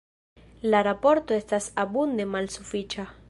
La raporto estas abunde malsufiĉa.